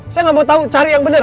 saya gak mau tahu cari yang bener